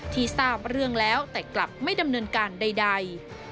ทราบเรื่องแล้วแต่กลับไม่ดำเนินการใด